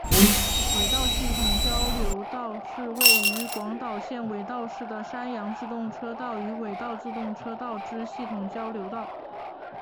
尾道系统交流道是位于广岛县尾道市的山阳自动车道与尾道自动车道之系统交流道。